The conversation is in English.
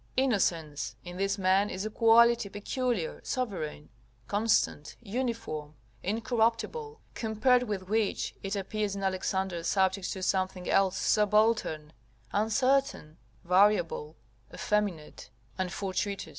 Innocence, in this man, is a quality peculiar, sovereign, constant, uniform, incorruptible, compared with which, it appears in Alexander subject to something else subaltern, uncertain, variable, effeminate, and fortuitous.